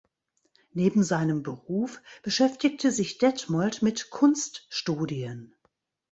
Neben seinem Beruf beschäftigte sich Detmold mit Kunststudien.